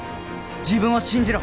自分を信じろ！